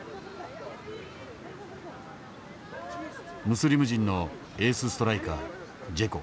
ムスリム人のエースストライカージェコ。